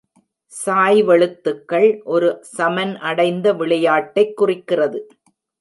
சாய்வெழுத்துக்கள், ஒரு சமன் அடைந்த விளையாட்டைக் குறிக்கிறது.